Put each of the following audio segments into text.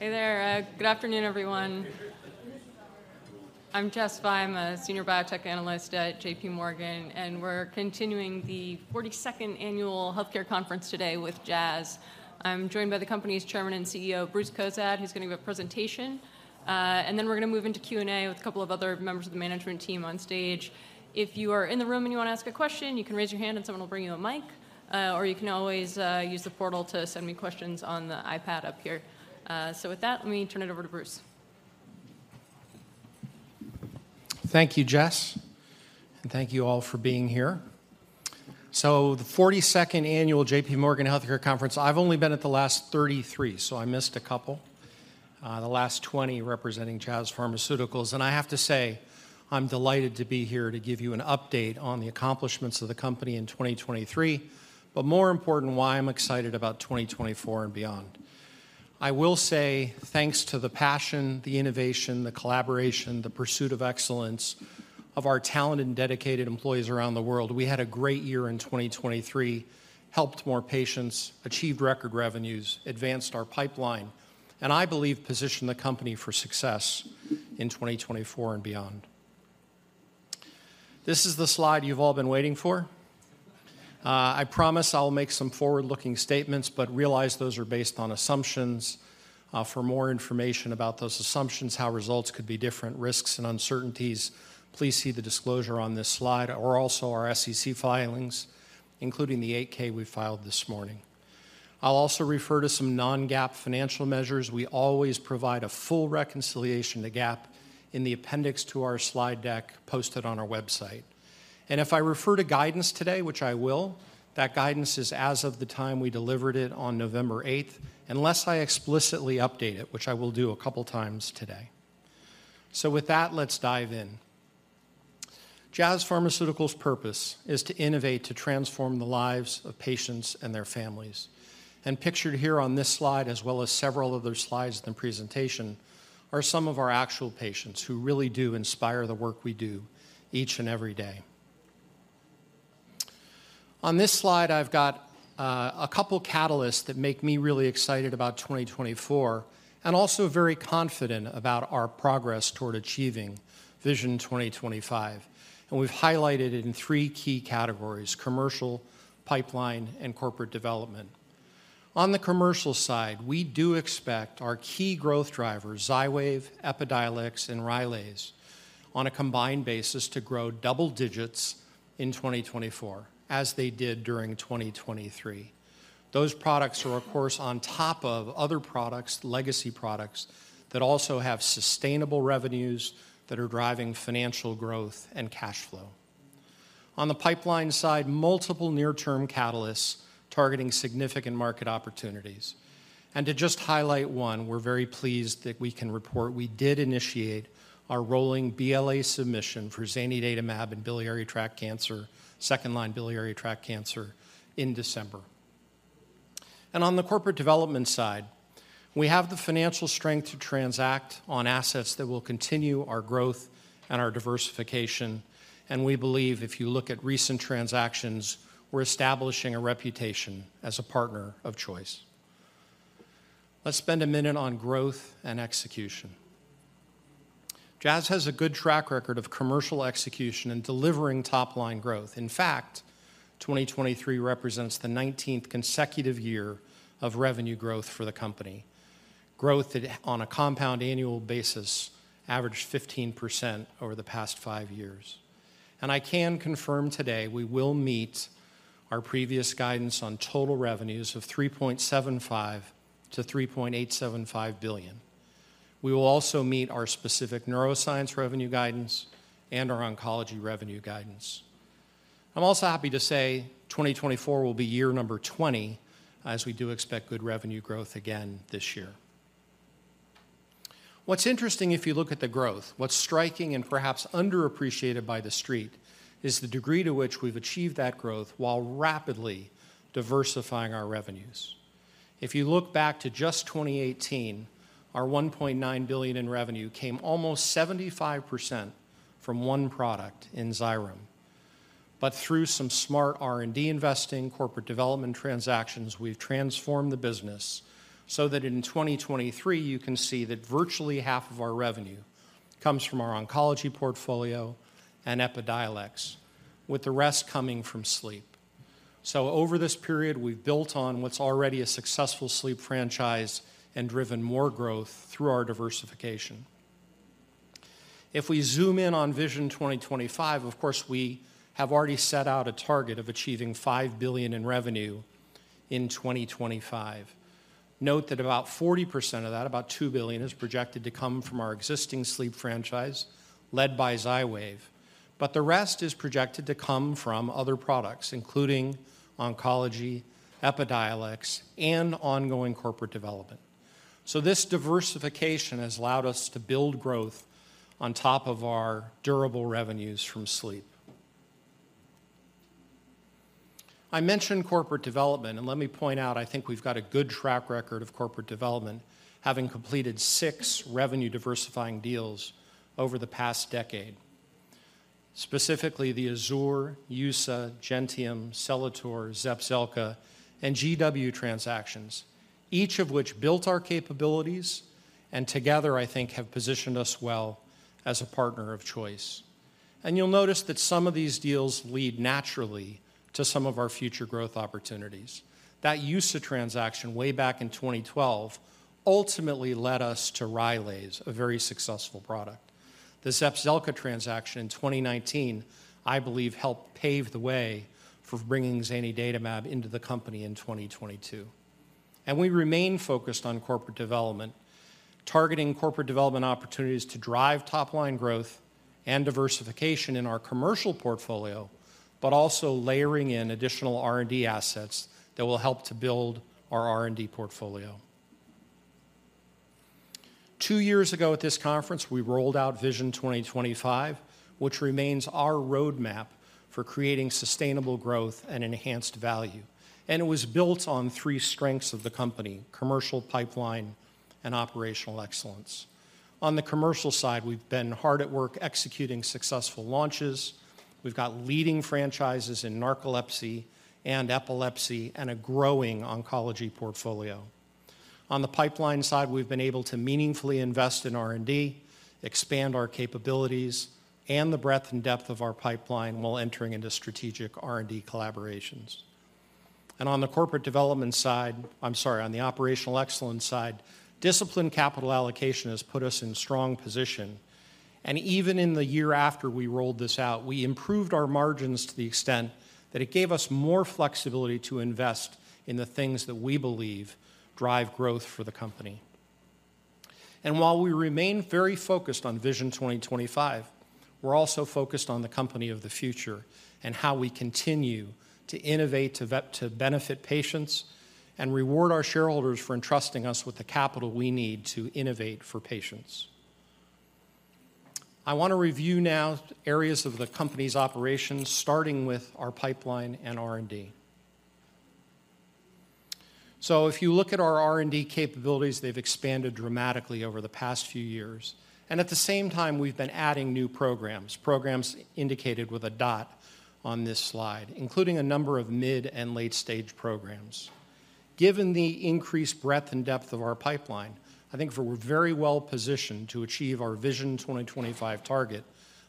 Hey there. Good afternoon, everyone. I'm Jess Fye. I'm a senior biotech analyst at JPMorgan, and we're continuing the 42nd annual Healthcare Conference today with Jazz. I'm joined by the company's Chairman and CEO, Bruce Cozadd, who's going to give a presentation. And then we're going to move into Q&A with a couple of other members of the management team on stage. If you are in the room and you want to ask a question, you can raise your hand and someone will bring you a mic, or you can always use the portal to send me questions on the iPad up here. So with that, let me turn it over to Bruce. Thank you, Jess, and thank you all for being here. The 42nd annual JPMorgan Healthcare Conference, I've only been at the last 33, so I missed a couple. The last 20 representing Jazz Pharmaceuticals, and I have to say, I'm delighted to be here to give you an update on the accomplishments of the company in 2023, but more important, why I'm excited about 2024 and beyond. I will say, thanks to the passion, the innovation, the collaboration, the pursuit of excellence of our talented and dedicated employees around the world, we had a great year in 2023, helped more patients, achieved record revenues, advanced our pipeline, and I believe positioned the company for success in 2024 and beyond. This is the slide you've all been waiting for. I promise I'll make some forward-looking statements, but realize those are based on assumptions. For more information about those assumptions, how results could be different, risks and uncertainties, please see the disclosure on this slide or also our SEC filings, including the 8-K we filed this morning. I'll also refer to some non-GAAP financial measures. We always provide a full reconciliation to GAAP in the appendix to our slide deck posted on our website. And if I refer to guidance today, which I will, that guidance is as of the time we delivered it on November eighth, unless I explicitly update it, which I will do a couple times today. So with that, let's dive in. Jazz Pharmaceuticals' purpose is to innovate, to transform the lives of patients and their families. Pictured here on this slide, as well as several other slides in the presentation, are some of our actual patients who really do inspire the work we do each and every day. On this slide, I've got a couple catalysts that make me really excited about 2024 and also very confident about our progress toward achieving Vision 2025, and we've highlighted it in three key categories: commercial, pipeline, and corporate development. On the commercial side, we do expect our key growth drivers, Xywav, Epidiolex, and Rylaze, on a combined basis, to grow double digits in 2024, as they did during 2023. Those products are, of course, on top of other products, legacy products, that also have sustainable revenues that are driving financial growth and cash flow. On the pipeline side, multiple near-term catalysts targeting significant market opportunities. To just highlight one, we're very pleased that we can report we did initiate our rolling BLA submission for zanidatamab in biliary tract cancer, second-line biliary tract cancer in December. On the corporate development side, we have the financial strength to transact on assets that will continue our growth and our diversification, and we believe if you look at recent transactions, we're establishing a reputation as a partner of choice. Let's spend a minute on growth and execution. Jazz has a good track record of commercial execution and delivering top-line growth. In fact, 2023 represents the 19th consecutive year of revenue growth for the company, growth that on a compound annual basis, averaged 15% over the past five years. I can confirm today we will meet our previous guidance on total revenues of $3.75 billion-$3.875 billion. We will also meet our specific neuroscience revenue guidance and our oncology revenue guidance. I'm also happy to say 2024 will be year number 20, as we do expect good revenue growth again this year. What's interesting, if you look at the growth, what's striking and perhaps underappreciated by the street, is the degree to which we've achieved that growth while rapidly diversifying our revenues. If you look back to just 2018, our $1.9 billion in revenue came almost 75% from one product in Xyrem. But through some smart R&D investing, corporate development transactions, we've transformed the business so that in 2023, you can see that virtually half of our revenue comes from our oncology portfolio and Epidiolex, with the rest coming from sleep. So over this period, we've built on what's already a successful sleep franchise and driven more growth through our diversification. If we zoom in on Vision 2025, of course, we have already set out a target of achieving $5 billion in revenue in 2025. Note that about 40% of that, about $2 billion, is projected to come from our existing sleep franchise, led by Xywav. But the rest is projected to come from other products, including oncology, Epidiolex, and ongoing corporate development. So this diversification has allowed us to build growth on top of our durable revenues from sleep. I mentioned corporate development, and let me point out, I think we've got a good track record of corporate development, having completed six revenue-diversifying deals over the past decade. Specifically, the Azur, EUSA, Gentium, Celator, Zepzelca, and GW transactions, each of which built our capabilities and together, I think, have positioned us well as a partner of choice. You'll notice that some of these deals lead naturally to some of our future growth opportunities. That EUSA transaction way back in 2012 ultimately led us to Rylaze, a very successful product. The Zepzelca transaction in 2019, I believe, helped pave the way for bringing zanidatamab into the company in 2022. We remain focused on corporate development, targeting corporate development opportunities to drive top-line growth and diversification in our commercial portfolio, but also layering in additional R&D assets that will help to build our R&D portfolio. Two years ago at this conference, we rolled out Vision 2025, which remains our roadmap for creating sustainable growth and enhanced value. It was built on three strengths of the company: commercial, pipeline, and operational excellence. On the commercial side, we've been hard at work executing successful launches. We've got leading franchises in narcolepsy and epilepsy and a growing oncology portfolio. On the pipeline side, we've been able to meaningfully invest in R&D, expand our capabilities and the breadth and depth of our pipeline while entering into strategic R&D collaborations. And on the corporate development side, I'm sorry, on the operational excellence side, disciplined capital allocation has put us in a strong position. And even in the year after we rolled this out, we improved our margins to the extent that it gave us more flexibility to invest in the things that we believe drive growth for the company. And while we remain very focused on Vision 2025, we're also focused on the company of the future and how we continue to innovate to benefit patients and reward our shareholders for entrusting us with the capital we need to innovate for patients. I want to review now areas of the company's operations, starting with our pipeline and R&D. So if you look at our R&D capabilities, they've expanded dramatically over the past few years, and at the same time, we've been adding new programs, programs indicated with a dot on this slide, including a number of mid and late-stage programs. Given the increased breadth and depth of our pipeline, I think we're very well positioned to achieve our Vision 2025 target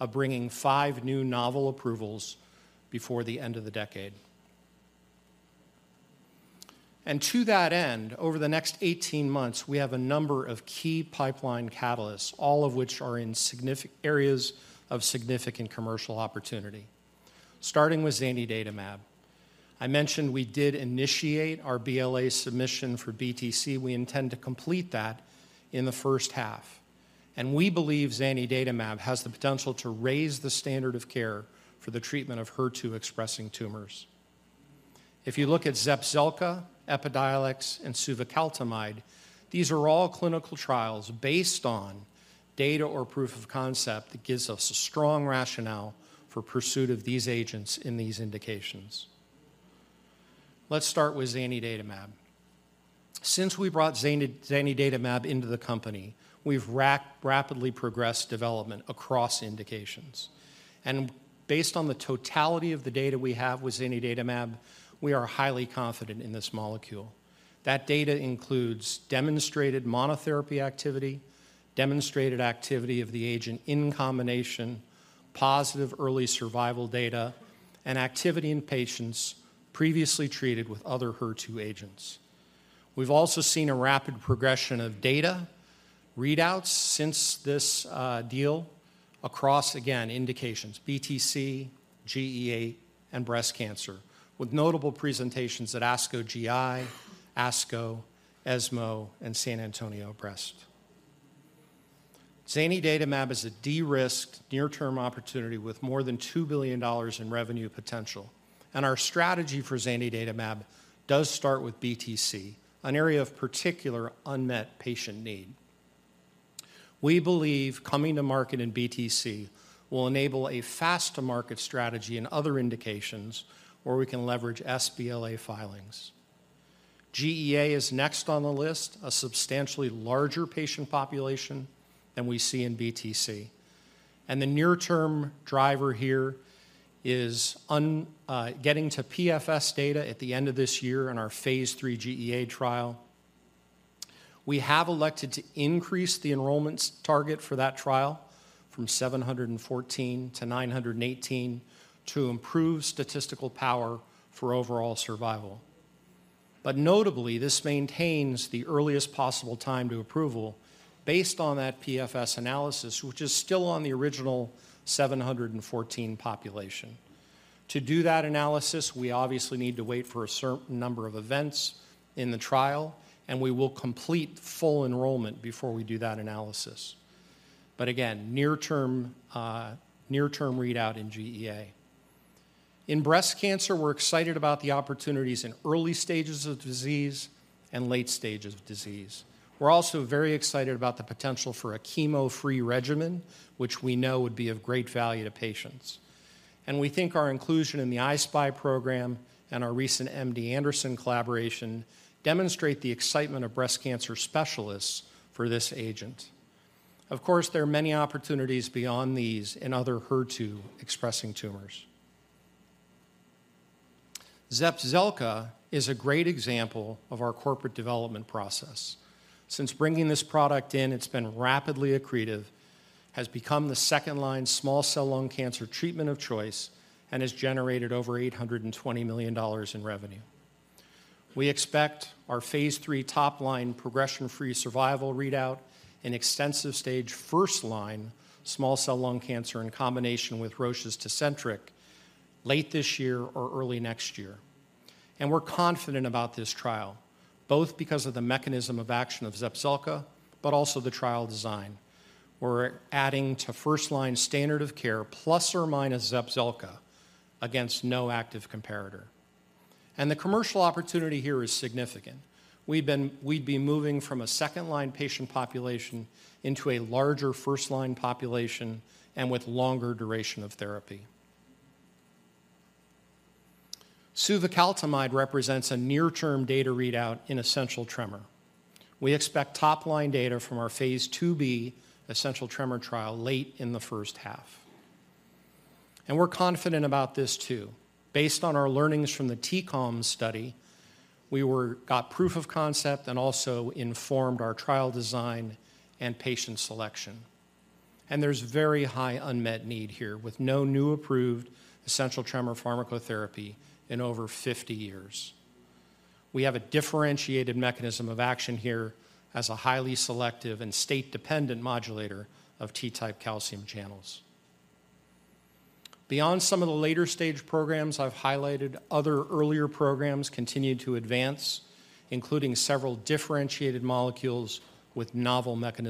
of bringing five new novel approvals before the end of the decade. And to that end, over the next 18 months, we have a number of key pipeline catalysts, all of which are in significant areas of significant commercial opportunity, starting with zanidatamab. I mentioned we did initiate our BLA submission for BTC. We intend to complete that in the first half, and we believe zanidatamab has the potential to raise the standard of care for the treatment of HER2-expressing tumors. If you look at Zepzelca, Epidiolex, and suvecaltamide, these are all clinical trials based on data or proof of concept that gives us a strong rationale for pursuit of these agents in these indications. Let's start with zanidatamab. Since we brought zanidatamab into the company, we've rapidly progressed development across indications. And based on the totality of the data we have with zanidatamab, we are highly confident in this molecule. That data includes demonstrated monotherapy activity, demonstrated activity of the agent in combination, positive early survival data, and activity in patients previously treated with other HER2 agents. We've also seen a rapid progression of data readouts since this deal. across, again, indications BTC, GEA, and breast cancer, with notable presentations at ASCO GI, ASCO, ESMO, and San Antonio Breast. Zanidatamab is a de-risked near-term opportunity with more than $2 billion in revenue potential, and our strategy for zanidatamab does start with BTC, an area of particular unmet patient need. We believe coming to market in BTC will enable a fast-to-market strategy in other indications where we can leverage sBLA filings. GEA is next on the list, a substantially larger patient population than we see in BTC. The near-term driver here is getting to PFS data at the end of this year on our phase III GEA trial. We have elected to increase the enrollment target for that trial from 714 to 918 to improve statistical power for overall survival. But notably, this maintains the earliest possible time to approval based on that PFS analysis, which is still on the original 714 population. To do that analysis, we obviously need to wait for a certain number of events in the trial, and we will complete full enrollment before we do that analysis. But again, near-term, near-term readout in GEA. In breast cancer, we're excited about the opportunities in early stages of disease and late stages of disease. We're also very excited about the potential for a chemo-free regimen, which we know would be of great value to patients. And we think our inclusion in the I-SPY program and our recent MD Anderson collaboration demonstrate the excitement of breast cancer specialists for this agent. Of course, there are many opportunities beyond these in other HER2-expressing tumors. Zepzelca is a great example of our corporate development process. Since bringing this product in, it's been rapidly accretive, has become the second-line small cell lung cancer treatment of choice, and has generated over $820 million in revenue. We expect our phase III top-line progression-free survival readout in extensive stage first-line small cell lung cancer in combination with Roche's Tecentriq late this year or early next year. We're confident about this trial, both because of the mechanism of action of Zepzelca, but also the trial design. We're adding to first-line standard of care plus or minus Zepzelca against no active comparator. The commercial opportunity here is significant. We'd be moving from a second-line patient population into a larger first-line population and with longer duration of therapy. Suvecaltamide represents a near-term data readout in essential tremor. We expect top-line data from our phase IIb essential tremor trial late in the first half. And we're confident about this too. Based on our learnings from the T-CALM study, we got proof of concept and also informed our trial design and patient selection. And there's very high unmet need here, with no new approved essential tremor pharmacotherapy in over 50 years. We have a differentiated mechanism of action here as a highly selective and state-dependent modulator of T-type calcium channels. Beyond some of the later-stage programs I've highlighted, other earlier programs continue to advance, including several differentiated molecules with novel mechanisms.